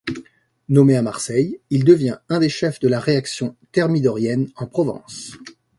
Nommé à Marseille, il devient un des chefs de la réaction thermidorienne en Provence.